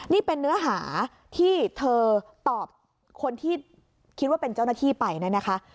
นี่เป็นเนื้อหาที่เธอตอบคนที่คิดว่าเป็นเจ้าหน้าที่ไปนะคะ